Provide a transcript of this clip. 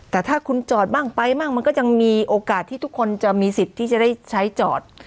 แต่ถ้าคุณจอดบ้างไปบ้างมันก็ยังมีโอกาสที่ทุกคนจะมีสิทธิ์ที่จะได้ใช้จอด